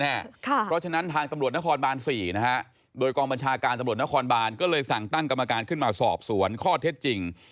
เพราะฉะนั้นทางตำรวจนครบาน๔โดยกองบัญชาการตำรวจนครบานก็เลยสั่งตั้งกรรมการขึ้นมาสอบสวนข้อเท็จจริง